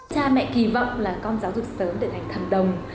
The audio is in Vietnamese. cha mẹ kỳ vọng là con giáo dục sớm để thành thần đồng